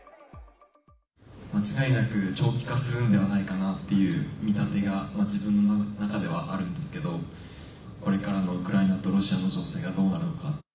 間違いなく長期化するんではないかなという見立てが自分の中ではあるんですけどこれからのウクライナとロシアの情勢がどうなるのか。